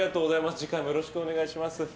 次回もよろしくお願いします。